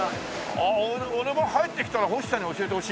ああ俺も入ってきたら星さんに教えてほしいな。